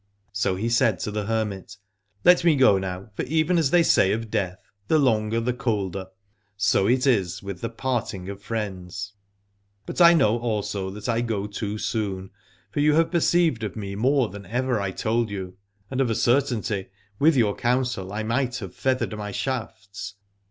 So he said to the hermit : Let me go now, for even as they say of death, the longer the colder, so it is with the parting 46 Alad ore of friends. But I know also that I go too soon, for you have perceived of me more than ever I told you, and of a certainty with your counsel I might have feathered my shafts.